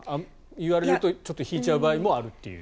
言われると引いちゃう場合もあるという。